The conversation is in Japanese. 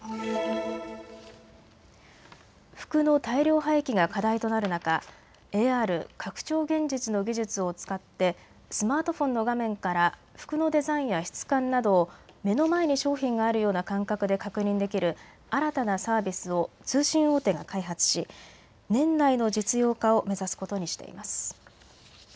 服の大量廃棄が課題となる中、ＡＲ・拡張現実の技術を使ってスマートフォンの画面から服のデザインや質感などを目の前に商品があるような感覚で確認できる新たなサービスを通信大手が開発し年内の実用化を目指すことにしています。